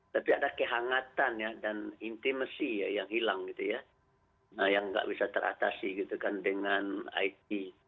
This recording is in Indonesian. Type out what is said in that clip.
tapi ada kehangatan ya dan intimacy ya yang hilang gitu ya yang nggak bisa teratasi gitu kan dengan it